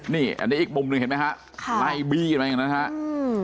นี่อันนี้อีกมุมหนึ่งเห็นไหมครับไล่บีกันมาอย่างนั้นครับ